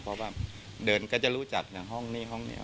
เพราะว่าเดินก็จะรู้จักอย่างห้องนี้ห้องนี้